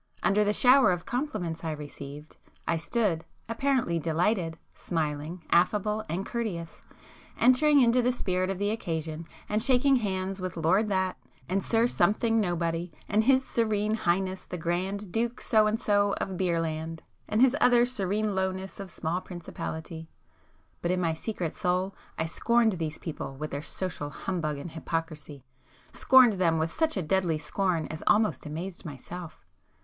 Under the shower of compliments I received, I stood, apparently delighted,—smiling, affable and courteous,—entering into the spirit of the occasion, and shaking hands with my Lord That, and Sir Something Nobody, and His Serene Highness the Grand Duke So and So of Beer Land, and His other Serene Lowness of Small Principality,—but in my secret soul I scorned these people with their social humbug and hypocrisy,—scorned them with such a deadly scorn as almost amazed myself.